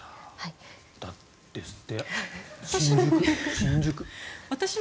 ですって。